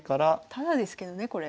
タダですけどねこれ。